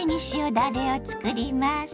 だれをつくります。